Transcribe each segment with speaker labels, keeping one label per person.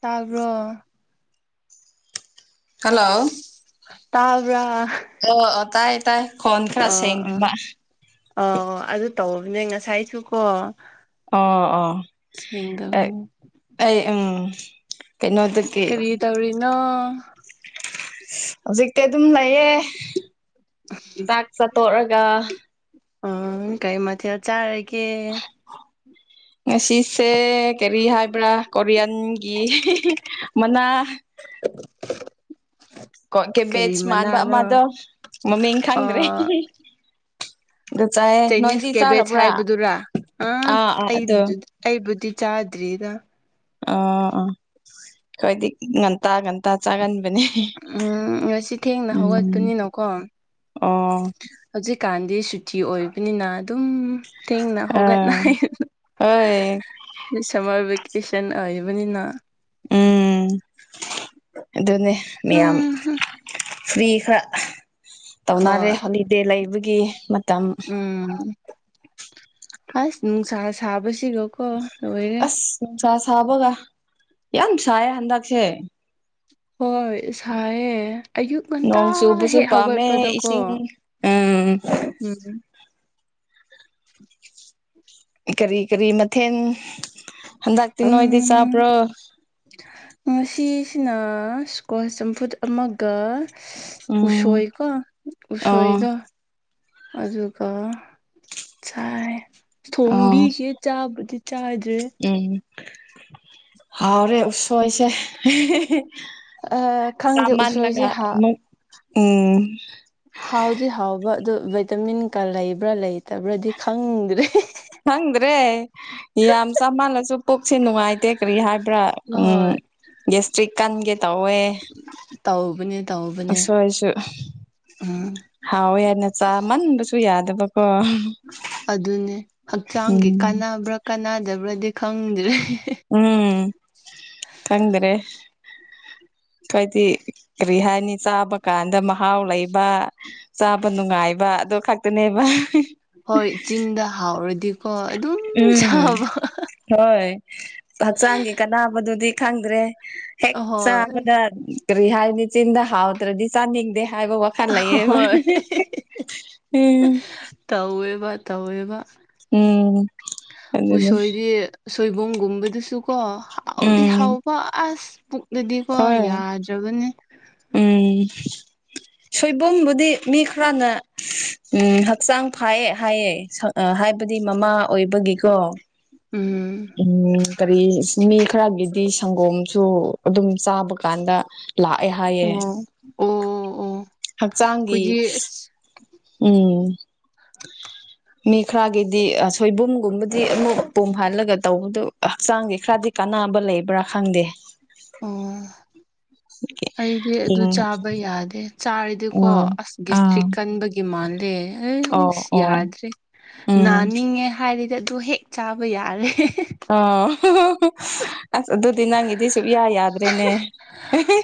Speaker 1: ꯇꯥꯕ꯭ꯔꯣ
Speaker 2: ꯍꯜꯂꯣ
Speaker 1: ꯇꯥꯕ꯭ꯔ
Speaker 2: ꯑꯣ ꯇꯥꯏ ꯇꯥꯏ ꯈꯣꯟ ꯈꯔ
Speaker 1: ꯑ ꯑꯥ
Speaker 2: ꯁꯦꯡꯗꯕ
Speaker 1: ꯑ ꯑꯣ ꯑꯗꯨ ꯇꯧꯕꯕꯅꯦ ꯉꯁꯥꯏꯁꯨꯀꯣ
Speaker 2: ꯑꯣ ꯑꯣ ꯑꯩ ꯎꯝ ꯀꯩꯅꯣꯗꯒꯤ
Speaker 1: ꯀꯔꯤ ꯇꯧꯔꯤꯅꯣ
Speaker 2: ꯑꯁ ꯍꯧꯖꯤꯛꯇꯤ ꯑꯗꯨꯝ ꯂꯩꯌꯦ ꯆꯥꯛ ꯆꯥꯇꯣꯛꯑꯒ
Speaker 1: ꯎꯝ ꯀꯔꯤ ꯃꯊꯦꯜ ꯆꯥꯔꯒꯦ
Speaker 2: ꯉꯁꯤꯁꯦ ꯀꯔꯤ ꯍꯥꯏꯕ꯭ꯔꯥ ꯀꯣꯔꯤꯌꯥꯟꯒꯤ ꯏꯍꯤ ꯏꯍꯤ ꯃꯅꯥ
Speaker 1: [unintelligible]
Speaker 2: ꯀ
Speaker 1: ꯀꯔꯤ
Speaker 2: ꯀꯦꯕꯦꯠꯁ ꯃꯥꯟꯕ
Speaker 1: ꯃꯅꯥꯅꯣ
Speaker 2: ꯑꯃꯗꯣ ꯃꯃꯤꯡ ꯈꯪꯗ꯭ꯔꯦ ꯑꯦꯏ ꯍꯦ
Speaker 1: ꯆꯅꯤꯁ ꯀꯦꯕꯦꯖ ꯍꯥꯏꯕꯗꯨꯔꯥ ꯑꯥ ꯑꯩ ꯖꯨ ꯑꯩꯕꯨꯗꯤ ꯆꯥꯗ꯭ꯔꯤꯗ
Speaker 2: ꯑꯥ ꯑꯥ ꯑꯩꯈꯣꯏꯗꯤ ꯉꯟꯇꯥ ꯉꯟꯇꯥ ꯆꯥꯒꯟꯕꯅꯦ꯫
Speaker 1: ꯑ ꯎꯝ ꯉꯁꯤ ꯊꯦꯡꯅ
Speaker 2: ꯎꯝ
Speaker 1: ꯍꯧꯒꯠꯀꯅꯤꯅꯀꯣ꯫
Speaker 2: ꯑꯣ
Speaker 1: ꯍꯧꯖꯤꯛꯀꯥꯟꯗꯤ ꯁꯨꯇꯤ ꯑꯣꯏꯕꯅꯤꯅ ꯑꯗꯨꯝꯝ꯫ ꯊꯦꯡꯅ
Speaker 2: ꯑꯥ
Speaker 1: ꯍꯒꯠꯅꯩꯍꯅ꯫
Speaker 2: ꯍꯣꯏ
Speaker 1: ꯁꯤ ꯁꯝꯃꯔ ꯚꯦꯀꯦꯁꯟ ꯑꯣꯏꯕꯅꯤꯅ꯫
Speaker 2: ꯎꯝ ꯑꯗꯨꯅꯦ ꯃꯤꯌꯥꯝ꯫ ꯐ꯭ꯔꯤ ꯈꯔ ꯇꯧꯅꯔꯦ
Speaker 1: ꯍꯣꯏ
Speaker 2: ꯍꯣꯂꯤꯗꯦ ꯂꯩꯕꯒꯤ ꯃꯇꯝ꯫
Speaker 1: ꯎꯝ ꯑꯁ ꯅꯨꯡꯁꯥ ꯁꯥꯕꯁꯤꯒꯀꯣ ꯂꯣꯏꯔꯦ꯫
Speaker 2: ꯑꯁ ꯅꯨꯡꯁꯥ ꯁꯥꯕꯒ ꯌꯥꯝ ꯁꯥꯏꯌꯦ ꯍꯟꯗꯛꯁꯦ꯫
Speaker 1: ꯍꯣꯏ ꯁꯥꯏꯌꯦ꯫ ꯑꯌꯨꯛ ꯉꯟꯇꯥ
Speaker 2: ꯅꯣꯡ ꯆꯨꯕꯁꯨ
Speaker 1: ꯍꯦꯛ
Speaker 2: ꯄꯥꯝꯃꯦ
Speaker 1: ꯍꯧꯒꯠꯄꯗꯀꯣ
Speaker 2: ꯏꯁꯤꯡ ꯎꯝ
Speaker 1: ꯎꯝ꯫ ꯎꯝ
Speaker 2: ꯀꯔꯤ ꯀꯔꯤ ꯃꯊꯦꯟ꯫
Speaker 1: ꯎꯝ ꯉꯁꯤꯁꯤꯅ ꯁ꯭ꯀꯣꯟ ꯆꯝꯐꯨꯠ ꯑꯃꯒ
Speaker 2: ꯎꯝ
Speaker 1: ꯎꯁꯣꯏ ꯀꯣ
Speaker 2: ꯑꯣ
Speaker 1: ꯎꯁꯣꯏꯗ ꯑꯗꯨꯒ ꯆꯥꯏ
Speaker 2: ꯑꯣ
Speaker 1: ꯊꯣꯡꯕꯤꯒꯦ ꯆꯥꯕꯨꯗꯤ ꯆꯥꯗ꯭ꯔꯦ
Speaker 2: ꯎꯝ ꯍꯥꯎꯔꯦ ꯎꯁꯣꯏꯁꯦ
Speaker 1: ꯑ ꯈꯪꯗꯦ ꯎꯁꯣꯏꯁꯦ
Speaker 2: ꯆꯥꯃꯟꯂꯒ
Speaker 1: ꯍꯥ
Speaker 2: ꯑꯃ ꯎꯝ꯫
Speaker 1: ꯍꯥꯎꯗꯤ ꯍꯥꯎꯕ ꯑꯗꯨ ꯚꯥꯏꯇꯥꯃꯤꯟꯒ ꯂꯩꯕ꯭ꯔꯥ ꯂꯩꯇꯕ꯭ꯔꯥꯗꯤ ꯈꯪꯗ꯭ꯔꯦ
Speaker 2: ꯍꯗ꯭ꯔꯦ ꯌꯥꯝ ꯆꯃꯜꯂꯁꯨ ꯄꯨꯣꯛꯁꯤ ꯅꯨꯡꯉꯥꯏꯇꯦ ꯀꯔꯤ ꯍꯥꯏꯕ꯭ꯔꯥ ꯎꯝ
Speaker 1: ꯍꯣꯏ
Speaker 2: ꯒꯦꯁꯇ꯭ꯔꯤꯛ ꯀꯟꯒꯦ ꯇꯧꯋꯦ
Speaker 1: ꯇꯧꯕꯅꯦ ꯇꯧꯕꯅꯦ ꯎꯝ
Speaker 2: ꯍꯥꯎꯑꯣ ꯌꯥꯏꯅ ꯆꯥꯃꯟꯕꯁꯨ ꯌꯥꯗꯕꯀꯣ
Speaker 1: ꯑꯗꯨꯅꯦ ꯍꯛꯆꯥꯡꯒꯤ
Speaker 2: ꯎꯝ
Speaker 1: ꯀꯥꯟꯅꯕ꯭ꯔꯥ ꯀꯥꯟꯅꯗꯕ꯭ꯔꯥꯗꯤ ꯈꯪꯗ꯭ꯔꯦ
Speaker 2: ꯎꯝ ꯈꯪꯗ꯭ꯔꯦ
Speaker 1: [unintelligible]
Speaker 2: ꯍꯥꯏꯋꯥꯗꯤ ꯀꯔꯤ ꯍꯥꯏꯅꯤ ꯆꯥꯕ ꯀꯥꯟꯗ ꯃꯍꯥꯎ ꯂꯩꯕ ꯆꯥꯕ ꯅꯨꯡꯉꯥꯏꯕ ꯑꯗꯨ ꯈꯛꯇꯅꯦꯕ
Speaker 1: ꯍꯣꯏ ꯆꯤꯟꯗ ꯍꯥꯎꯔꯗꯤꯀꯣ ꯑꯗꯨꯝ
Speaker 2: ꯎꯝ
Speaker 1: ꯆꯕ
Speaker 2: ꯍꯣꯏ ꯍꯛꯆꯥꯡꯒꯤ ꯀꯅꯥꯕꯗꯨꯗꯤ ꯈꯪꯗ꯭ꯔꯦ ꯍꯦꯛ
Speaker 1: ꯍꯣꯏ
Speaker 2: ꯆꯥꯕꯗ ꯀꯔꯤ ꯍꯥꯏꯅꯤ ꯆꯤꯟꯗ ꯍꯥꯎꯗ꯭ꯔꯗꯤ ꯆꯥꯅꯤꯡꯗꯦ ꯍꯥꯏꯕ ꯋꯥꯈ ꯐꯜ ꯂꯏ ꯏꯃ
Speaker 1: ꯍꯣꯏ
Speaker 2: ꯎꯝ
Speaker 1: ꯇꯧꯋꯦꯕ ꯇꯧꯋꯦꯕ
Speaker 2: ꯎꯝ ꯑꯗꯨꯅꯦ
Speaker 1: ꯎꯁꯣꯏꯗꯤ ꯁꯣꯏꯕꯨꯝꯒꯨꯝꯕꯗꯨꯁꯨ ꯀꯣ ꯍꯥꯎꯗꯤ
Speaker 2: ꯎꯝ
Speaker 1: ꯍꯥꯎꯕ ꯑꯁ ꯄꯨꯛꯅꯗꯤꯀꯣ
Speaker 2: ꯍꯣꯏ
Speaker 1: ꯌꯥꯗ ꯆꯒꯅꯤ
Speaker 2: ꯎꯝ ꯁꯣꯏꯕꯝꯕꯨꯗꯤ ꯃꯤ ꯈꯔꯅ ꯎ ꯍꯛꯆꯥꯡ ꯐꯥꯏꯌꯦ ꯍꯥꯏꯌꯦ ꯍꯥꯏꯕꯗꯤ ꯃꯃꯥ ꯑꯣꯏꯕꯒꯤꯀꯣ
Speaker 1: ꯎꯝ
Speaker 2: ꯎꯝ ꯀꯔꯤ ꯃꯤ ꯈꯔꯒꯤꯗꯤ ꯁꯪꯒꯣꯝꯁꯨ ꯑꯗꯨꯝ ꯆꯥꯕ ꯀꯥꯟꯗ ꯂꯥꯛꯑꯦ ꯍꯥꯏꯌꯦ
Speaker 1: ꯎꯝ ꯎꯝ ꯎꯝ
Speaker 2: ꯍꯛꯆꯥꯡꯒꯤ ꯎꯝ ꯃꯤ ꯈꯔꯒꯤꯗꯤ ꯁꯣꯏꯕꯨꯝꯒꯨꯝꯕꯗꯤ ꯑꯃꯨꯛ ꯄꯣꯝ ꯍꯥꯜꯂꯒ ꯇꯧꯕꯗ ꯍꯛꯆꯥꯡꯗꯤ ꯈꯔꯗꯤ ꯀ ꯑꯅꯥꯕ ꯂꯩꯕ꯭ꯔꯥ ꯈꯪꯗꯦ
Speaker 1: ꯑꯣ ꯑꯩꯗꯤ ꯑꯗꯨ
Speaker 2: ꯎꯝ
Speaker 1: ꯆꯥꯕ ꯌꯥꯗꯦ ꯆꯥꯔꯤꯗꯤꯀꯣ
Speaker 2: ꯎꯝ
Speaker 1: ꯑꯁꯒꯤ
Speaker 2: ꯑꯥ
Speaker 1: ꯏꯁꯇ꯭ꯔꯤꯛ ꯀꯟꯕꯒꯤ ꯃꯥꯜꯂꯦ ꯑ
Speaker 2: ꯑꯣ ꯑꯣ
Speaker 1: ꯌꯥꯗ꯭ꯔꯦ
Speaker 2: ꯎꯝ
Speaker 1: ꯅꯥꯅꯤꯡꯉꯦ ꯍꯥꯏꯔꯗꯤ ꯗꯣ ꯍꯦꯛ ꯆꯥꯕ ꯌꯥꯔꯦ꯫
Speaker 2: ꯑꯣ ꯑꯁ ꯑꯗꯨꯗꯤ ꯅꯪꯒꯤꯗꯤ ꯁꯨꯛꯌꯥ ꯌꯥꯗ꯭ꯔꯦꯅꯦ꯫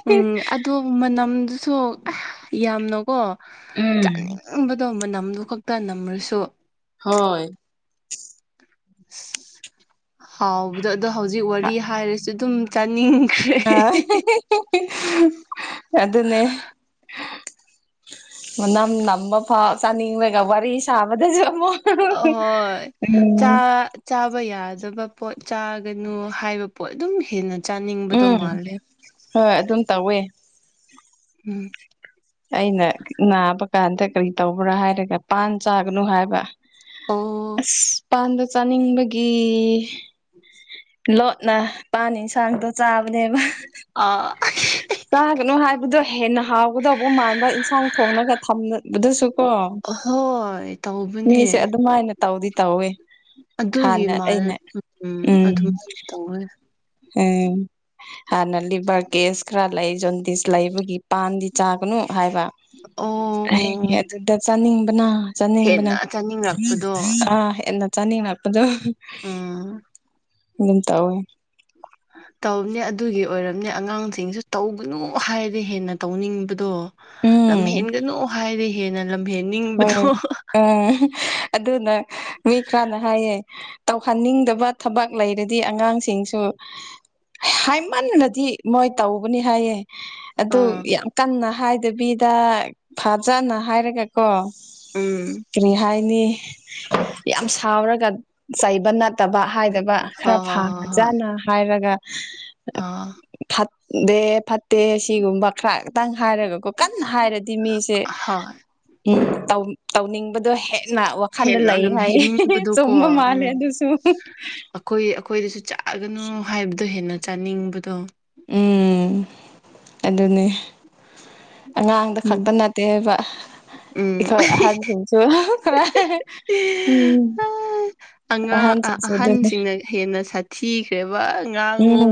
Speaker 1: ꯎꯝ ꯑꯗꯣ ꯃꯅꯝꯗꯨꯁꯨ ꯌꯥꯝꯅꯀꯣ ꯆꯥꯅꯤꯡ
Speaker 2: ꯎꯝ
Speaker 1: ꯅꯕꯗꯣ ꯑꯃ ꯅꯝꯗꯨ ꯈꯛꯇ ꯅꯝꯃꯔꯁꯨ
Speaker 2: ꯍꯣꯏ
Speaker 1: ꯑ ꯍꯥꯎꯕꯗꯣ ꯑꯗꯣ ꯍꯧꯖꯤꯛ ꯋꯥꯔꯤ ꯍꯥꯏꯔꯁꯨ ꯑꯗꯨꯝ ꯆꯥꯅꯤꯡꯈ꯭ꯔꯦ꯫
Speaker 2: ꯑ ꯑꯗꯨꯅꯦ꯫ ꯃꯅꯝ ꯅꯝꯕ ꯐꯥꯎ ꯆꯥꯅꯤꯡꯂꯒ ꯋꯥꯔꯤ ꯁꯥꯕꯗꯁꯨ ꯑꯃꯨꯛ
Speaker 1: ꯍꯣꯏ ꯆꯥ
Speaker 2: ꯎꯝ
Speaker 1: ꯆꯥꯕ ꯌꯥꯗꯕ ꯄꯣꯠ ꯆꯥꯒꯅꯨ ꯍꯥꯏꯕ ꯄꯣꯠ ꯑꯗꯨꯝ ꯍꯦꯟꯅ ꯆꯥꯅꯤꯡꯕꯗꯧ
Speaker 2: ꯎꯝ
Speaker 1: ꯃꯥꯜꯂꯦ꯫
Speaker 2: ꯍꯣꯏ ꯑꯗꯨꯝ ꯇꯧꯋꯦ꯫
Speaker 1: ꯎꯝ
Speaker 2: ꯑꯩꯅ ꯅꯥꯕ ꯀꯥꯟꯗ ꯀꯔꯤ ꯇꯧꯕ꯭ꯔꯥ ꯍꯥꯏꯔꯒ ꯄꯥꯟ ꯆꯥꯒꯅꯨ ꯍꯥꯏꯕ
Speaker 1: ꯑꯣ
Speaker 2: ꯑꯁ ꯄꯥꯟꯗ ꯆꯥꯅꯤꯡꯕꯒꯤ꯫ ꯂꯣꯠꯅ ꯄꯥ ꯌꯦꯟꯁꯥꯡꯗꯣ ꯆꯥꯕꯅꯦꯕ
Speaker 1: ꯑ
Speaker 2: ꯀꯥꯒꯅꯣ ꯍꯥꯏꯕꯗꯣ ꯍꯦꯟꯅ ꯍꯥꯎ ꯎꯗꯧꯕ ꯃꯥꯟꯕ ꯏꯟꯁꯥꯡ ꯊꯣꯡꯅꯒ ꯊꯝꯕꯗꯨꯁꯨ ꯀꯣ
Speaker 1: ꯑ ꯍꯣꯏ ꯇꯧꯕꯅꯦ꯫
Speaker 2: ꯃꯤꯁꯦ ꯑꯗꯨꯃꯥꯏꯅ ꯇꯧꯗꯤ ꯇꯧꯋꯦ꯫
Speaker 1: ꯑꯗꯨꯒꯤ
Speaker 2: ꯍꯥꯟꯅ
Speaker 1: ꯃꯥꯜ
Speaker 2: ꯑꯩꯅ
Speaker 1: ꯎꯝ ꯑꯗꯨꯃꯥꯏꯅ ꯇꯧꯕꯅꯦ꯫
Speaker 2: ꯎꯝ ꯍꯥꯏꯅ ꯂꯩꯕ ꯈꯔ ꯂꯩ ꯖꯣꯟꯗꯤꯁ ꯂꯩꯕꯒꯤ ꯄꯥꯟꯗꯤ ꯆꯥꯒꯅꯨ ꯍꯥꯏꯕ
Speaker 1: ꯑꯣ ꯑꯣ
Speaker 2: ꯍ
Speaker 1: ꯑꯣ
Speaker 2: ꯑꯗꯨꯗ ꯆꯥꯅꯤꯡꯕꯅ ꯆꯥꯅꯤꯡꯕꯅ
Speaker 1: ꯍꯦꯟꯅ ꯆꯥꯅꯤꯡꯔꯛꯄꯗꯣ
Speaker 2: ꯑꯥ ꯍꯦꯟꯅ ꯆꯥꯅꯤꯡꯉꯛꯄꯗꯣ
Speaker 1: ꯎꯝ
Speaker 2: ꯑꯗꯨꯝ ꯇꯧꯋꯦ꯫
Speaker 1: ꯇꯧꯅꯦ ꯑꯗꯨꯒꯤ ꯑꯣꯏꯔꯝꯅꯦ ꯑꯉꯥꯡꯁꯤꯡꯁꯨ ꯇꯧꯒꯅꯨ ꯍꯥꯏꯔꯦ ꯍꯦꯟꯅ ꯇꯧꯅꯤꯡꯕꯗꯣ
Speaker 2: ꯎꯝ
Speaker 1: ꯂꯝꯍꯦꯟꯒꯅꯨ ꯍꯥꯏꯗꯤ ꯍꯦꯟꯅ ꯂꯝꯍꯦꯟꯅꯤꯡꯕꯗꯣ
Speaker 2: ꯑꯥ ꯍꯥ ꯑꯗꯨꯅ ꯃꯤꯈꯔꯥꯅ ꯍꯥꯏꯌꯦ꯫ ꯇꯧꯍꯟꯅꯤꯡꯗꯕ ꯊꯕꯛ ꯂꯩꯔꯗꯤ ꯑꯉꯥꯡꯁꯤꯡꯁꯨ ꯍꯥꯏꯃꯟꯅꯗꯤ ꯃꯣꯏ ꯇꯧꯕꯅꯤ ꯍꯥꯏꯌꯦ꯫ ꯑꯗꯨ
Speaker 1: ꯑꯥ
Speaker 2: ꯌꯥꯝ ꯀꯟꯅ ꯍꯥꯏꯗꯕꯤꯗ ꯐꯖꯅ ꯍꯥꯏꯔꯒ ꯀꯣ
Speaker 1: ꯎꯝ
Speaker 2: ꯀꯔꯤ ꯍꯥꯏ ꯅꯤ ꯌꯥꯝ ꯁꯥꯎꯔꯒ ꯆꯩꯕ ꯅꯠꯇꯕ ꯍꯥꯏꯗꯕ ꯈꯔ
Speaker 1: ꯍꯣꯏ ꯍꯣꯏ ꯍꯣꯏ ꯍꯣꯏ
Speaker 2: ꯐꯖꯅ ꯍꯥꯏꯔꯒ
Speaker 1: ꯑꯥ
Speaker 2: ꯐꯠꯇꯦ ꯐꯠꯇꯦ ꯁꯤꯒꯨꯝꯕ ꯈꯔꯇꯪ ꯍꯥꯏꯔꯒꯀ ꯀꯟꯅ ꯍꯥꯏꯔꯗꯤ ꯃꯤꯁꯦ
Speaker 1: ꯍꯣꯏ
Speaker 2: ꯎ ꯇꯧꯅꯤꯡꯕꯗꯣ ꯍꯦꯛ ꯋꯥꯈꯜꯗ
Speaker 1: ꯍꯦꯟꯅ
Speaker 2: ꯂꯩ ꯍꯥꯏꯌꯦ
Speaker 1: ꯂꯝꯍꯦꯟꯅꯤꯡꯕꯗꯣꯀꯣ
Speaker 2: ꯆꯨꯝꯕ
Speaker 1: ꯎꯝ
Speaker 2: ꯃꯥꯜꯂꯦ ꯑꯗꯨꯁꯨ
Speaker 1: ꯑꯩꯈꯣꯏ ꯑꯩꯈꯣꯏꯗꯁꯨ ꯆꯥꯛꯒꯅꯨ ꯍꯥꯏꯕꯗꯣ ꯍꯦꯟꯅ ꯆꯥꯅꯤꯡꯕꯗꯣ
Speaker 2: ꯎꯝ ꯑꯗꯨꯅꯦ꯫ ꯑꯉꯥꯡꯗ
Speaker 1: ꯎꯝ
Speaker 2: ꯈꯛꯇ ꯅꯠꯇꯦꯕ꯫
Speaker 1: ꯎꯝ
Speaker 2: ꯑꯩꯈꯣꯏ ꯑꯍꯥꯟ ꯁꯤꯡꯁꯨ ꯈꯔꯥꯏ ꯎꯝ
Speaker 1: ꯑꯉꯥꯡ
Speaker 2: ꯑꯍꯟꯁꯤꯡꯁꯨ ꯑꯗꯨꯅꯦ
Speaker 1: ꯑꯍꯟꯁꯤꯡꯅ ꯍꯦꯟꯅ ꯁꯥꯊꯤꯈ꯭ꯔꯦꯕ ꯉꯥꯡꯃꯨ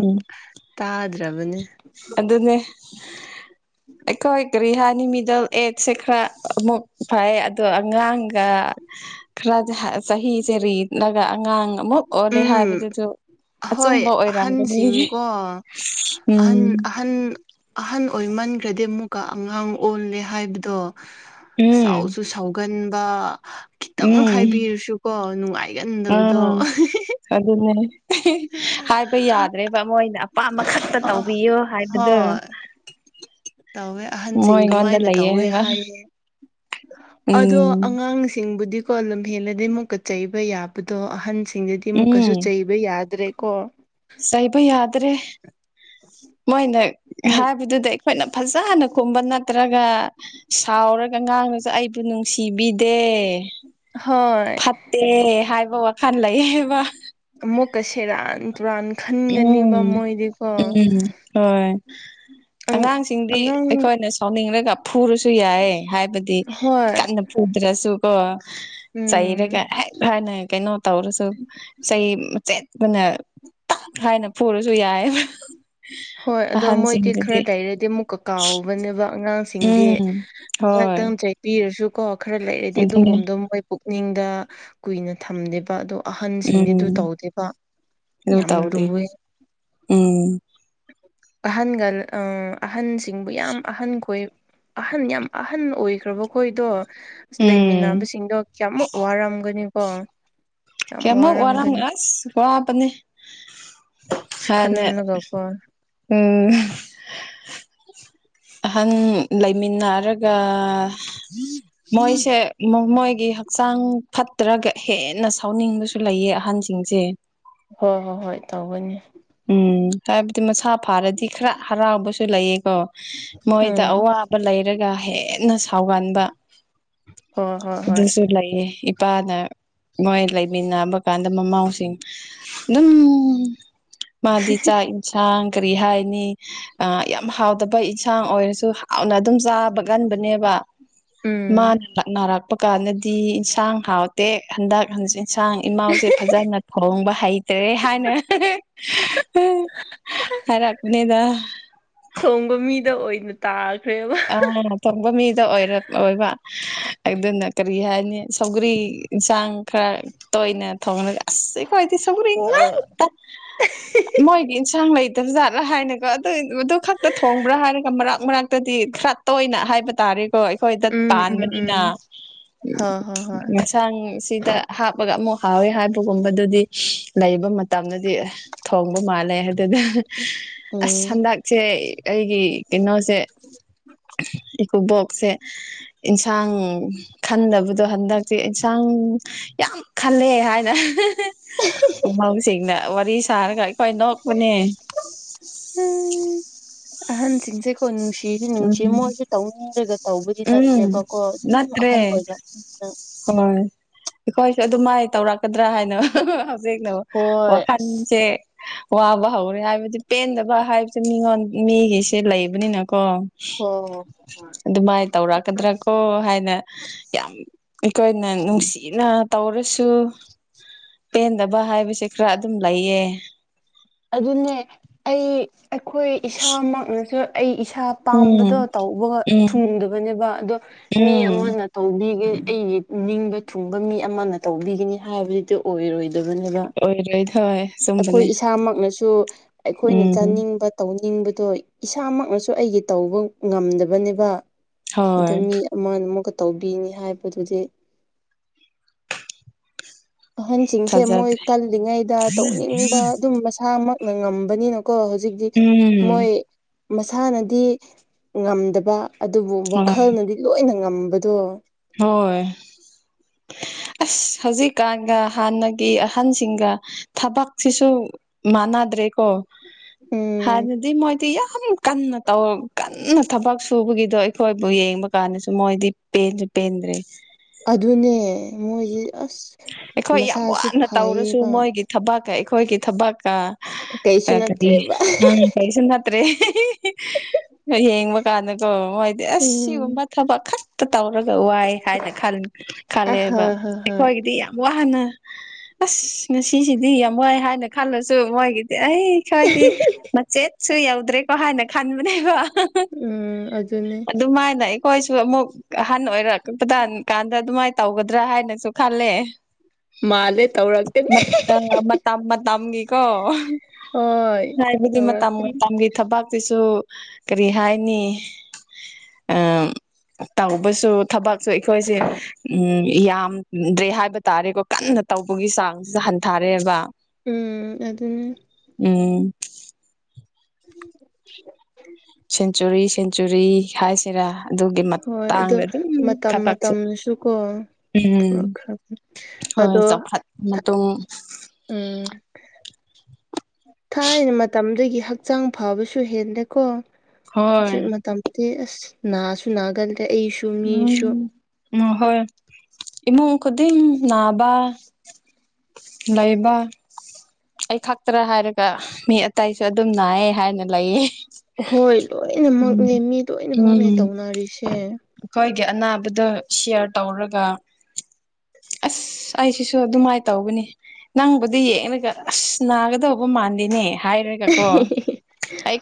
Speaker 1: ꯇꯥꯗ꯭ꯔꯕꯅꯦ꯫
Speaker 2: ꯑꯗꯨꯗꯅꯦ꯫
Speaker 1: [inaudible]
Speaker 2: ꯑꯩꯈꯣꯏ ꯀꯔꯤ ꯍꯥꯏꯅꯤ ꯃꯤꯗꯜ ꯑꯦꯖꯁꯦ ꯈꯔ ꯑꯃꯨꯛ ꯐꯩ ꯑꯗꯣ ꯑꯉꯥꯡꯒ ꯈꯔꯖ ꯁꯍꯤꯁꯦ ꯔꯤ ꯅꯒ ꯑꯉꯥꯡ ꯑꯃꯨꯛ ꯑꯣꯜꯂꯦ
Speaker 1: ꯎꯝ
Speaker 2: ꯍꯥꯏꯕꯗꯨꯁꯨ ꯑꯆꯨꯝꯕ
Speaker 1: ꯍꯣꯏ
Speaker 2: ꯑꯣꯏꯔꯝꯒꯅꯤ
Speaker 1: ꯑꯍꯟꯁꯤꯡꯀꯣ
Speaker 2: ꯎꯝ
Speaker 1: ꯑꯍꯟ ꯑꯍꯟ ꯑꯍꯟ ꯑꯣꯏꯃꯟꯈ꯭ꯔꯗꯤ ꯑꯃꯨꯛꯀ ꯑꯉꯥꯡ ꯑꯣꯜꯂꯦ ꯍꯥꯏꯕꯗꯣ
Speaker 2: ꯎꯝ
Speaker 1: ꯁꯥꯎꯁꯨ ꯁꯥꯎꯒꯟꯕ ꯈꯤꯇꯪ
Speaker 2: ꯎꯝ
Speaker 1: ꯍꯥꯏꯕꯤꯔꯁꯨꯀꯣ ꯅꯨꯡꯉꯥꯏꯒꯟꯗꯕꯗꯣ
Speaker 2: ꯑꯥ ꯑꯗꯨꯅꯦ ꯍꯥꯏꯕ ꯌꯥꯗ꯭ꯔꯦꯕ ꯑꯃꯣꯏꯅ ꯑꯄꯥꯝꯕ ꯈꯛꯇ
Speaker 1: ꯑ
Speaker 2: ꯇꯧꯕꯤꯌꯨ ꯍꯥꯏꯕꯗꯨꯣ
Speaker 1: ꯍꯣꯏ ꯇꯧꯋꯦ
Speaker 2: ꯃꯣꯏꯉꯣꯟꯗ
Speaker 1: ꯑꯍꯟꯁꯤꯡꯗꯨꯃꯥꯏꯅ
Speaker 2: ꯂꯩꯌꯦ
Speaker 1: ꯇꯧꯋꯦ
Speaker 2: ꯍꯥꯏꯕ
Speaker 1: ꯍꯥꯏꯌꯦ ꯑꯗꯣ
Speaker 2: ꯎꯝ
Speaker 1: ꯑꯉꯥꯡꯁꯤꯡꯕꯨꯗꯤꯀꯣ ꯂꯝꯍꯦꯜꯂꯗꯤꯩꯃꯨꯛꯀ ꯆꯩꯕ ꯌꯥꯕꯗꯣ ꯑꯍꯟꯁ ꯁꯤꯡꯗꯗꯤ
Speaker 2: ꯎꯝ
Speaker 1: ꯑꯃꯨꯛꯀꯩꯁꯨ ꯆꯩꯕ ꯌꯥꯗ꯭ꯔꯦꯀꯣ
Speaker 2: ꯆꯩꯕ ꯌꯥꯗ꯭ꯔꯦ ꯃꯣꯏꯅ
Speaker 1: ꯑꯃꯨꯛ
Speaker 2: ꯍꯥꯏꯕꯗꯨꯗ ꯑꯩꯈꯣꯏꯅ ꯐꯖ ꯍꯅ ꯀꯨꯝꯕ ꯅꯠꯇ꯭ꯔꯒ ꯁꯥꯎꯔꯒ ꯉꯥꯡꯉꯁꯨ ꯑꯩꯕꯨ ꯅꯨꯡꯁꯤꯕꯤꯗꯦ
Speaker 1: ꯍꯣꯏ
Speaker 2: ꯐꯠꯇꯦ ꯍꯥꯏꯕ ꯋꯥꯈꯜ ꯂꯩ ꯍꯥꯏꯕ
Speaker 1: ꯃꯨ ꯀꯁꯤꯔ ꯇꯨꯔꯥꯟ ꯈꯟꯒꯅꯤꯕ
Speaker 2: ꯎꯝ
Speaker 1: ꯃꯣꯏꯗꯤꯀꯣ
Speaker 2: ꯎꯝ ꯍꯣꯏ
Speaker 1: ꯑꯪ
Speaker 2: ꯑꯉꯥꯡꯁꯤꯡꯗꯤ
Speaker 1: ꯑꯉꯥꯡ
Speaker 2: ꯑꯩꯈꯣꯏꯅ ꯁꯥꯎꯅꯤꯡꯂꯒ ꯐꯨꯔꯁꯨ ꯌꯥꯏꯦ ꯍꯥꯏꯕꯗꯤ
Speaker 1: ꯍꯣꯏ
Speaker 2: ꯀꯟꯅ ꯐꯨꯗ꯭ꯔꯁꯨ ꯀꯣ
Speaker 1: ꯎꯝ
Speaker 2: ꯆꯩꯔꯒ ꯍꯦꯛ ꯍꯥꯟꯅ ꯀꯩꯅꯣ ꯇꯧꯔꯁꯨ ꯆꯩ ꯃ ꯆꯦꯠꯄꯅ ꯍꯥꯏꯅ ꯄꯨꯔꯁꯨ ꯌꯥꯏ
Speaker 1: ꯍꯣꯏ ꯑꯗꯣ ꯃꯣꯏꯗꯤ ꯈꯔ ꯂꯩꯔꯗꯤ ꯑꯃꯨꯛꯀ ꯀꯥꯎꯕꯅꯦꯕ ꯑꯉꯥꯡꯁ ꯁꯤꯡꯗꯤ
Speaker 2: ꯎꯝ ꯍꯣꯏ
Speaker 1: ꯉꯥꯛꯇꯪ ꯆꯩꯄꯤꯔꯁꯨ ꯀꯣ ꯈꯔ ꯂꯩꯔꯗꯤ
Speaker 2: ꯑꯗꯨꯅꯦ
Speaker 1: ꯑꯗꯨꯒꯨꯝꯕꯗꯣ ꯃꯣꯏ ꯄꯨꯛꯅꯤꯡꯗ ꯀꯨꯏꯅ ꯊꯝꯗꯦꯕ ꯑꯗꯣ
Speaker 2: ꯎꯝ
Speaker 1: ꯑꯍꯟꯁꯤꯡꯗꯤꯗꯨ ꯇꯧꯗꯕ
Speaker 2: ꯑꯗꯨ
Speaker 1: ꯌꯥꯝ
Speaker 2: ꯇꯧꯗꯦ
Speaker 1: ꯂꯨꯏ
Speaker 2: ꯎꯝ
Speaker 1: ꯑꯍꯟꯒ ꯑꯍꯟꯁꯤꯡꯕꯨ ꯌꯥꯝ ꯑꯍꯟꯈꯣꯏ ꯑꯍꯟ ꯌꯥꯝ ꯑꯍꯟ ꯑꯣꯏꯈ꯭ꯔꯕꯈꯣꯏꯗꯣ ꯑ
Speaker 2: ꯎꯝ
Speaker 1: ꯂꯩꯃꯤꯟꯅꯕꯁꯤꯡꯗꯣ ꯀꯌꯥꯃꯨꯛ ꯋꯥꯔꯝꯒꯅꯤ ꯀꫭ ꯌꯥꯝ
Speaker 2: ꯀꯌꯥꯃꯣꯛ ꯋꯥꯔꯥꯡ ꯑꯁ ꯋꯥꯄꯅꯤ ꯍꯥꯏꯅꯦ
Speaker 1: ꯈꯜꯂꯒꯀꯣ
Speaker 2: ꯎꯝ ꯑꯍꯟ ꯂꯩꯃꯤꯟꯅꯔꯒ ꯃꯣꯏꯁꯦ ꯃꯣꯏꯒꯤ ꯍꯛꯆꯥꯡ ꯐꯠꯇ꯭ꯔꯒ ꯍꯦꯟꯅ ꯁꯥꯎꯅꯤꯡꯕꯁꯨ ꯂꯩꯌꯦ ꯑꯍꯟꯁꯤꯡꯁꯦ
Speaker 1: ꯍꯣꯏ ꯍꯣꯏ ꯍꯣꯏ ꯇꯧꯒꯅꯤ
Speaker 2: ꯎꯝ ꯍꯥꯏꯕꯗꯤ ꯃꯁꯥ ꯐꯥꯔꯗꯤ ꯈꯔ ꯍꯔꯥꯎꯕꯁꯨ ꯂꯩꯑꯦꯀꯣ ꯃꯣꯏꯗ
Speaker 1: ꯎꯝ
Speaker 2: ꯑꯋꯥꯕ ꯂꯩꯔꯒ ꯍꯦꯟꯅ ꯁꯥꯎꯒꯟꯕ
Speaker 1: ꯍꯣꯏ ꯍꯣꯏ ꯍꯣꯏ
Speaker 2: ꯑꯗꯨꯁꯨ ꯂꯥꯏꯌꯦ ꯏꯄꯥꯅ ꯃꯣꯏ ꯂꯩꯃꯤꯟꯅꯕ ꯀꯥꯟꯗ ꯃꯃꯥꯎꯁꯤꯡ ꯑꯗꯨꯝ ꯃꯥꯗꯤ ꯆꯥꯛ ꯌꯦꯟꯁꯥꯡ ꯀꯔꯤ ꯍꯥꯏꯅꯤ ꯑ ꯌꯥꯝ ꯍꯥꯎꯗꯕ ꯏꯟꯁꯥꯡ ꯑꯣꯏꯔꯁꯨ ꯍꯥꯎꯅ ꯑꯗꯨꯝ ꯆꯥꯕꯒꯟꯕꯅꯦꯕ
Speaker 1: ꯎꯝ
Speaker 2: ꯃꯥꯅ ꯂꯥꯛꯅꯔꯛꯄ ꯀꯥꯟꯗꯗꯤ ꯌꯦꯟꯁꯥꯡ ꯍꯥꯎꯇꯦ ꯍꯟꯗꯛ ꯍꯟꯖꯤꯟ ꯌꯦꯟꯁꯥꯡ ꯏꯃꯎꯁꯦ ꯐꯖꯅ ꯊꯣꯡꯕ ꯍꯩꯇ꯭ꯔꯦ ꯍꯥꯏꯅ ꯍꯥꯏꯔꯄꯅꯦꯗ
Speaker 1: ꯊꯣꯡꯕ ꯃꯤꯗ ꯑꯣꯏꯅ ꯇꯥꯈ꯭ꯔꯦꯕ
Speaker 2: ꯑ ꯊꯣꯡꯕ ꯃꯤꯗ ꯑꯣꯏꯔ ꯑꯣꯏꯕ ꯑꯗꯨꯅ ꯀꯔꯤ ꯍꯥꯏꯅꯤ ꯁꯧꯒꯔꯤ ꯌꯦꯟꯁꯥꯡ ꯈꯔ ꯇꯣꯏꯅ ꯊꯣꯡꯉꯒ ꯑꯁ ꯑꯩꯈꫭꯏꯗꯤ ꯁꯧꯒ꯭ꯔꯤ
Speaker 1: ꯑ
Speaker 2: ꯉꯥꯛꯇ ꯃꯣꯏꯒꯤ ꯏꯟꯁꯥꯡ ꯂꯩꯇꯕꯖꯥꯠꯅꯥ ꯍꯥꯏꯅꯒꯣ ꯑꯗꯨ ꯑꯗꯨ ꯈꯛꯇ ꯊꯣꯡꯕ꯭ꯔꯥ ꯍꯥꯏꯔꯒ ꯃꯔꯛ ꯃꯔꯥꯛꯛꯇꯗꯤ ꯈꯔ ꯇꯣꯏꯅ ꯍꯥꯏꯕ ꯇꯥꯔꯦ ꯑꯣ ꯑꯩꯈꯣꯏ ꯗꯠ
Speaker 1: ꯎꯝ ꯎꯝ
Speaker 2: ꯄꯥꯟꯕꯅꯤꯅ
Speaker 1: ꯎꯝ ꯍꯣꯏ ꯍꯣꯏ ꯍꯣꯏ
Speaker 2: ꯍꯛꯁꯥꯡꯁꯤꯗ ꯍꯥꯞꯄꯒ ꯑꯃꯨꯛ ꯍꯥꯎꯋꯤ ꯍꯥꯏꯕꯒꯨꯝꯕꯗꯨꯗꯤ ꯂꯩꯕ ꯇꯝꯅꯗꯤ ꯊꯣꯡꯕ ꯃꯥꯜꯂꯦ ꯑꯗꯨꯗ ꯑꯁ ꯍꯟꯗꯛ ꯁꯦ ꯑꯩꯒꯤ ꯀꯩꯅꯣꯁꯦ ꯏꯀꯣ ꯕꯣꯛꯁꯦ ꯏꯟꯁꯥꯡ ꯈꯟꯗꯕꯗꯣ ꯍꯟꯗꯛꯇꯤ ꯏꯟꯁꯥꯡ ꯌꯥꯝ ꯈꯜꯂꯦ ꯍꯥꯏꯅ ꯎꯍꯧꯁꯤꯡꯅ ꯋꯥꯔꯤ ꯁꯥꯔꯒ ꯑꯩꯈꯣꯏ ꯅꯣꯛꯄꯅꯦ
Speaker 1: ꯑꯍ꯫ꯟꯁꯤꯡꯁꯦ ꯀꯣꯟꯅꯨꯡꯁꯤ ꯁꯤꯁꯨ
Speaker 2: ꯎꯝ
Speaker 1: ꯅꯨꯡꯁꯤ ꯃꯣꯏꯁꯨ ꯇꯧꯅꯤꯡꯔꯒ ꯇꯧꯕꯗꯤ
Speaker 2: ꯎꯝ
Speaker 1: ꯅꯠꯇ꯭ꯔꯦꯕꯀꯣ ꯑꯗꯨꯝ
Speaker 2: ꯅꯠꯇ꯭ꯔꯦ
Speaker 1: ꯑꯍꯟ ꯑꯣꯏꯕ
Speaker 2: ꯍꯣꯏ ꯑꯩꯈꯣꯏꯁꯨꯦ ꯑꯗꯨ ꯃꯥꯏ ꯇꯧꯔꯛꯀꯗ꯭ꯔꯥ ꯍꯥꯏꯅ ꯅ
Speaker 1: ꯍꯣꯏ ꯑꯁ
Speaker 2: ꯋꯥꯈꯥꯟꯦ ꯋꯥꯕ ꯍꯧꯔꯦ ꯍꯥꯏꯕꯗꯤ ꯄꯦꯟꯗꯕ ꯍꯥꯏꯕꯁꯦ ꯃꯤꯉꯣꯟ ꯃꯤꯒꯤꯁꯦ ꯂꯩꯕꯅꯤꯅꯀꯣ
Speaker 1: ꯑꯣ
Speaker 2: ꯑꯗꯨꯃꯥꯏꯅ ꯇꯧꯔꯛꯀꯗ꯭ꯔꯥ ꯀꯣ ꯍꯥꯏꯅ ꯌꯥꯝ ꯑꯩꯈꯣ꯫ꯏꯅ ꯅꯨꯡꯁꯤꯅ ꯇꯧꯔꯁꯨ ꯄꯦ꯫ꯟꯗꯕ ꯍꯥꯏꯕꯁꯦ ꯈꯔ ꯑꯗꯨꯝ ꯂꯩꯌꯦ
Speaker 1: ꯑꯗꯨꯅꯦ ꯑꯩ ꯑꯩꯈꯣꯏ ꯏꯁꯥꯃꯛꯅꯁꯨ ꯑꯩ ꯏꯁꯥ ꯑ
Speaker 2: ꯎꯝ
Speaker 1: ꯄꯄꯥꯝꯕꯗꯣ ꯇꯧꯕ
Speaker 2: ꯎꯝ
Speaker 1: ꯊꯨꯡꯗꯕꯅꯦꯕ ꯑꯗꯣ ꯃꯤ
Speaker 2: ꯎꯝ
Speaker 1: ꯑꯃꯅ ꯇꯧꯕꯤꯒꯦ ꯑꯩꯒꯤ ꯅꯤꯡꯕ ꯊꯨꯡꯕ ꯃꯤ ꯑꯃꯅ ꯇꯧꯕꯤꯒꯅꯤ ꯍꯥꯏꯕꯗꯨꯗꯤ ꯑꯣꯏꯔꯣꯏꯗꯕꯅꯦꯕ
Speaker 2: ꯑꯣꯏꯔꯣꯏ ꯊ
Speaker 1: ꯑꯩꯈꯣꯏ
Speaker 2: ꯁꯨꯝꯕꯅꯦ
Speaker 1: ꯏꯁꯥ꯫ꯃꯛꯅꯁꯨ ꯑꯩꯈꯣꯏꯅ ꯆꯥꯅꯤꯡꯕ ꯇꯧꯅꯤꯡꯕꯗꯣ ꯏꯁꯥꯃꯛꯅꯁꯨ ꯑꯩꯒꯤ ꯇꯧꯕ ꯉꯝꯗꯕꯅꯦꯕ ꯑꯗꯣ
Speaker 2: ꯍꯣꯏ
Speaker 1: ꯃꯤ ꯑꯃ ꯑꯃꯛꯒ ꯇꯧꯕꯤꯅꯤ ꯍꯥꯏꯕꯗꯨꯗꯤ ꯑꯍꯟꯁꯤꯡꯁꯦ ꯃꯣꯏ
Speaker 2: ꯊꯥꯖꯗ꯭ꯔꯦ
Speaker 1: ꯀꯜꯂꯤꯉꯩꯗ ꯇꯧꯅꯤꯡꯕ ꯑꯗꯨꯝ ꯃꯁꯥꯃꯛꯅ ꯉꯝꯕꯅꯤꯅꯀꯣ ꯍꯧꯖꯤꯛꯇꯤ
Speaker 2: ꯎꯝ
Speaker 1: ꯃꯣꯏ ꯃꯁꯥꯅꯗꯤ ꯉꯝꯗꯕ ꯑꯗꯨꯕꯨ
Speaker 2: ꯍꯣꯏ
Speaker 1: ꯋꯥꯈꯜꯅꯗꯤ ꯂꯣꯏꯅ ꯉꯝꯕꯗꯣ
Speaker 2: ꯍꯣꯏ
Speaker 1: [unintelligible]
Speaker 2: ꯑꯁ ꯍꯧꯖꯤꯛꯀꯥꯟꯒ ꯍꯥꯟꯅꯒꯤ ꯑꯍꯟꯁꯤꯡꯒ ꯊꯕꯛꯁꯤꯁꯨ ꯃꯅꯥ꯫ꯗ꯭ꯔꯦ
Speaker 1: ꯎꯝ
Speaker 2: ꯀꯣꯗꯤ ꯃꯣꯏ ꯌꯥꯝ ꯀꯟꯅ ꯇꯧ ꯀꯟꯅ ꯊꯕꯛ ꯁꯨꯕꯒꯤꯗꯣ ꯑꯩꯈꯣꯏꯕꯨ ꯌꯦꯡꯕ ꯀꯥꯟꯗꯁꯨ ꯃꯣꯏꯗꯤ ꯄꯦꯟ ꯄꯦꯟꯗ꯭ꯔꯦ
Speaker 1: ꯑꯗꯨꯅꯦ ꯃꯣꯏꯁꯦ ꯑꯁ
Speaker 2: ꯑꯩꯈꯣꯏ ꯌꯥꯝ
Speaker 1: ꯃꯁꯥꯁꯨ
Speaker 2: ꯋꯥꯅ ꯇꯧꯔꯁꯨ
Speaker 1: ꯐꯩꯌꯦꯕ
Speaker 2: ꯃꯣꯏꯒꯤ ꯊꯕꯛꯀ ꯑꯩꯈꯣꯏꯒꯤ ꯊꯕꯛꯀ ꯑ
Speaker 1: ꯀꯩꯁꯨ
Speaker 2: ꯀꯔꯤ
Speaker 1: ꯅꯠꯇ꯭ꯔꯦꯕ
Speaker 2: ꯑ ꯀꯩꯁꯤꯅ ꯍꯥꯇ꯭ꯔꯦ ꯌꯦꯡꯕ ꯀꯥꯟꯗꯀꯣ ꯃꯣꯏꯗꯤ
Speaker 1: ꯎꯝ
Speaker 2: ꯑꯁꯤꯒꯨꯝꯕ ꯊꯕꯛ ꯈꯛꯇ ꯇꯧꯔꯒ ꯋꯥꯏ ꯈ
Speaker 1: ꯑ ꯍ
Speaker 2: ꯈꯂꯦꯕ
Speaker 1: ꯍ ꯍꯣꯏ
Speaker 2: ꯗꯤ ꯌꯥꯝ ꯋꯥꯅ ꯑꯁ ꯉꯁꯤꯁꯤꯗꯤ ꯌꯥꯝ ꯋꯥꯏ ꯍꯥꯏꯅ ꯈꯜꯂꯁꯨ ꯃꯣꯏꯒꯤ ꯑꯩ ꯈꯣꯏꯗꯤ ꯃꯆꯦꯠꯁꯨ ꯌꯧꯗ꯭ꯔꯦꯀꯣ ꯍꯥꯏꯅ ꯈꯟꯕꯅꯦꯕ
Speaker 1: ꯎꯝ ꯑꯗꯨꯅꯦ
Speaker 2: ꯑꯗꯨ꯫ꯃꯥꯏꯅ ꯑꯩ ꯍꯣꯏꯁꯨ ꯑꯃꯨꯛ ꯑꯍꯟ ꯑꯣꯏꯔꯛꯄ ꯀꯥꯟꯗ ꯑꯗꯨꯃꯥꯏꯅ ꯇꯧꯒꯗ꯭ꯔꯥ ꯍꯥꯏꯅꯁꯨ ꯈꯂꯦ
Speaker 1: ꯃꯥꯂꯦ ꯇꯧ
Speaker 2: ꯃ ꯃꯝꯒꯤꯀꯣ
Speaker 1: ꯍꯣꯏ
Speaker 2: ꯍꯥꯏꯕꯗꯤ ꯃꯇꯝ
Speaker 1: ꯇꯧꯔꯛꯀꯅꯤ
Speaker 2: ꯃꯇꯝꯒꯤ ꯊꯕꯥꯛꯇꯤꯁꯨ ꯀꯔꯤ ꯍꯥꯏꯅꯤ ꯇꯧꯕꯁꯨ ꯊꯕꯛꯁꯨ ꯑꯩꯈꯣꯏꯁꯦ ꯌꯥꯝ ꯗ꯭ꯔꯦ ꯍꯥꯏꯕ ꯇꯥꯔꯦꯀꯣ ꯀꯟꯅ ꯇꯧꯕꯒꯤ ꯆꯥꯡꯁꯤꯗ ꯍꯟꯊꯔꯦꯕ
Speaker 1: ꯎꯝ ꯑꯗꯨ
Speaker 2: ꯎꯝ
Speaker 1: ꯎꯝ [inaudible]
Speaker 2: ꯁꯦꯟꯆꯨꯔꯤ ꯁꯦꯟꯆꯨꯔꯤ ꯍꯥꯏꯁꯤꯔꯥ ꯑꯗꯨꯒꯤ
Speaker 1: ꯍꯣꯏ ꯑꯗꯣ
Speaker 2: ꯃꯇꯥꯡꯗ ꯑꯗꯨꯝ
Speaker 1: ꯃꯇꯝ
Speaker 2: ꯊꯕꯛꯁꯦ
Speaker 1: ꯃꯇꯝꯅꯁꯨꯀꯣ
Speaker 2: ꯎꯝ
Speaker 1: ꯄꯨꯔꯛꯈ꯭ꯔꯕ
Speaker 2: ꯍꯣꯏ
Speaker 1: ꯑꯗꯣ
Speaker 2: ꯆꯥꯎꯈꯠ ꯃꯇꯨꯡ
Speaker 1: ꯎꯝ ꯊꯥꯏꯅ ꯃꯇꯝꯗꯒꯤ ꯍꯛꯆꯥꯡ ꯐꯕꯁꯨ ꯍꯦꯜꯂꯦꯀꯣ
Speaker 2: ꯍꯣꯏ
Speaker 1: ꯍꯧꯖꯤꯛ ꯃꯇꯝ ꯑꯁ ꯅꯁꯨ ꯅꯒꯥꯜꯂꯦ ꯑꯩꯁꯨ ꯃꯤꯁꯨ
Speaker 2: ꯎꯝ ꯎꯝ ꯍꯣꯏ ꯏꯃꯨꯡ ꯈꯨꯗꯤꯡ ꯅꯥꯕ ꯂꯩꯥꯕ ꯑꯩ ꯈꯛꯇ꯭ꯔ ꯍꯥꯏꯔꯒ ꯃꯤ ꯑꯇꯥꯏꯁꯨ ꯑꯗꯨꯝ ꯅꯥꯏꯌꯦ ꯍꯥꯏꯅ ꯂꯩꯌꯦ
Speaker 1: ꯍꯣꯏ
Speaker 2: ꯎꯝ
Speaker 1: ꯂꯣꯏꯅꯃꯛꯅꯦ ꯃꯤ ꯂꯣꯏꯅꯃꯛꯅꯦ
Speaker 2: ꯎꯝ
Speaker 1: ꯇꯧꯅꯔꯤꯁꯦ
Speaker 2: ꯑꯩꯈꯣꯏꯒꯤ ꯑꯅꯥꯕꯗ ꯁꯤꯌꯥꯔ ꯇꯧꯔꯒ ꯑꯁ ꯑꯩꯁꯤꯁꯨ ꯑꯗꯨꯃꯥꯏꯅ ꯇꯧꯕꯅꯤ ꯅꯪꯕꯨꯗꯤ ꯌꯦꯡꯉꯒ ꯑꯁ ꯅꯥꯒꯗꯧꯕ ꯃꯥꯟꯗꯦꯅꯦ ꯍꯥꯏꯔꯒꯦ
Speaker 1: ꯍꯤ ꯍꯤ [inaudible]